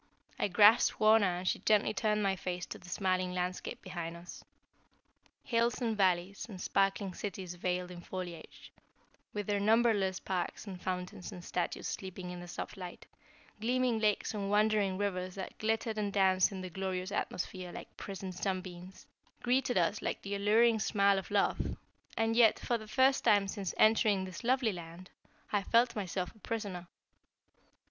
I grasped Wauna and she gently turned my face to the smiling landscape behind us. Hills and valleys, and sparkling cities veiled in foliage, with their numberless parks and fountains and statues sleeping in the soft light, gleaming lakes and wandering rivers that glittered and danced in the glorious atmosphere like prisoned sunbeams, greeted us like the alluring smile of love, and yet, for the first time since entering this lovely land, I felt myself a prisoner.